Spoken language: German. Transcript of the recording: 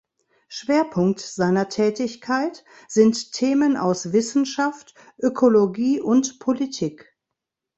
Schwerpunkt seiner Tätigkeit sind Themen aus Wissenschaft, Ökologie und Politik.